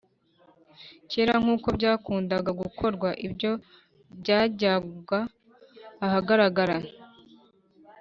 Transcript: kera nk uko byakundaga gukorwa Ibyo byajyaga ahagaragara